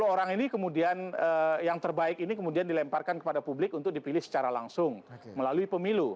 dua puluh orang yang terbaik ini kemudian dilemparkan kepada publik untuk dipilih secara langsung melalui pemilu